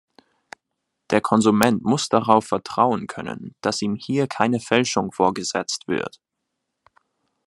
Der Konsument muss darauf vertrauen können, dass ihm hier keine Fälschung vorgesetzt wird.